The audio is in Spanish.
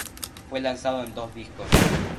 Fue lanzado en dos discos.